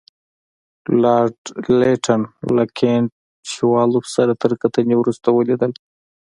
لارډ لیټن له کنټ شووالوف سره تر کتنې وروسته ولیکل.